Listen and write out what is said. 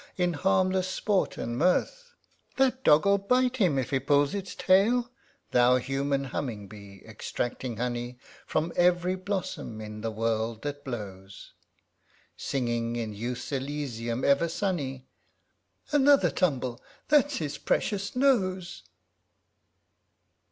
In harmless sport and mirth, (That dog will bite him if he pulls its tail !) Thou human humming bee, extracting honey From ev'ry blossom in the world that blows, Singing in Youth's Elysium ever sunny, (Another tumble ! ŌĆö that's his precious nose